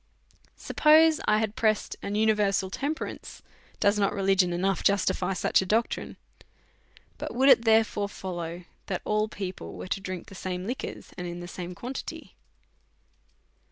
Suppose I had pressed an universal temperance, does not religion enough justify such a doctrine? But would it therefore follow that all people were to drink the same licjuors, and the same quantity